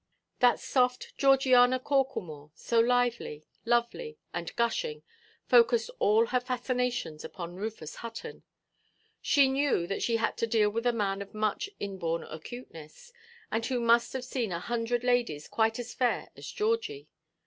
That soft Georgiana Corklemore, so lively, lovely, and gushing, focussed all her fascinations upon Rufus Hutton. She knew that she had to deal with a man of much inborn acuteness, and who must have seen a hundred ladies quite as fair as Georgie.